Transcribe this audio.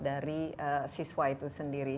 dari siswa itu sendiri